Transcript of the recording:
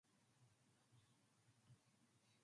The nearest towns are Ermelo.